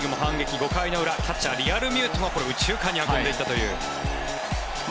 ５回の裏、キャッチャーのリアルミュートが右中間に運んだという。